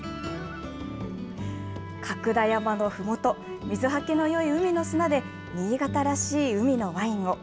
角田山のふもと、水はけのよい海の砂で、新潟らしい海のワインを。